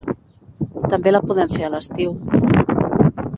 també la podem fer a l'estiu